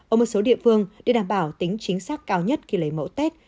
ở một số địa phương để đảm bảo tính chính xác cao nhất khi lấy mẫu tết